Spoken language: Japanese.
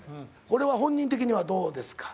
これは本人的にはどうですか？